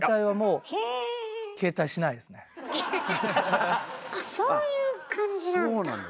あそういう感じなんだ。